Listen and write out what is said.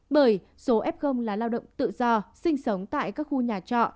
bởi số f là lao động tự do sinh sống tại các khu nhà trọ